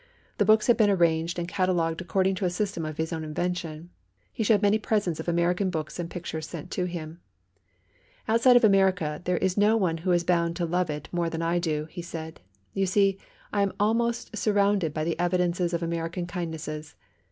The books had been arranged and catalogued according to a system of his own invention. He showed many presents of American books and pictures sent to him. "Outside of America there is no one who is bound to love it more than I do," he said, "you see, I am almost surrounded by the evidences of American kindnesses."